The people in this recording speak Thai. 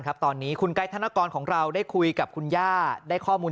ครับตอนนี้คุณไกดธนกรของเราได้คุยกับคุณย่าได้ข้อมูล